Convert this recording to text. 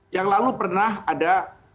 yang lalu pernah ada